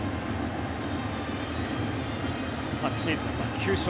昨シーズンは９勝。